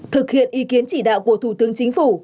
thực hiện ý kiến chỉ đạo của thủ tướng chính phủ